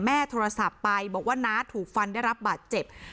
โทรศัพท์ไปบอกว่าน้าถูกฟันได้รับบาดเจ็บ